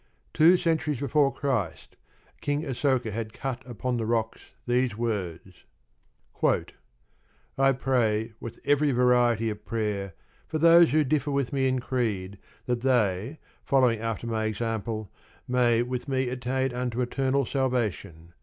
Two centuries before Christ, King Asoka had cut upon the rocks these words: I pray with every variety of prayer for those who differ with me in creed, that they, following after my example, may with me attain unto eternal salvation.